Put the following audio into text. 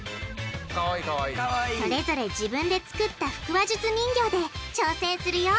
それぞれ自分で作った腹話術人形で挑戦するよ！